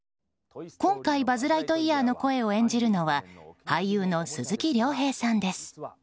今回、バズ・ライトイヤーの声を演じるのは俳優の鈴木亮平さんです。